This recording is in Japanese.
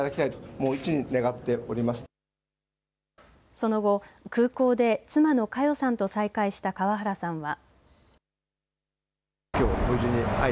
その後、空港で妻の佳代さんと再会した川原さんは。